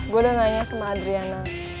gue udah nanya sama adriana